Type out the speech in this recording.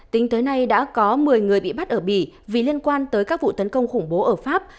tính tới nay đã có một mươi người bị bắt ở bỉ vì liên quan tới các vụ tấn công khủng bố ở pháp